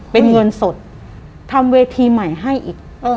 เป็นเงินสดทำเวทีใหม่ให้อีก